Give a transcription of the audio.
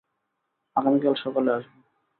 আগামীকাল সকালে আসবো।